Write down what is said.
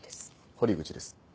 堀口です。